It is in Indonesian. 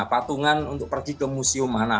patungan untuk pergi ke museum mana